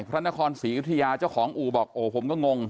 พระนครศรียุธยาเจ้าของอู่บอกโอ้ผมก็งง